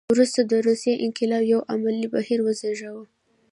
وروسته د روسیې انقلاب یو عملي بهیر وزېږاوه.